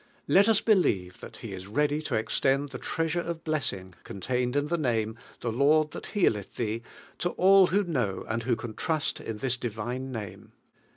Let as believe thai I h is ready to extend the treasure of bless ing, contained in the name, The Lord that healeth thee, to all who know and who ran trust in litis divine name.